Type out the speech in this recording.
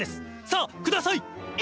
さあください！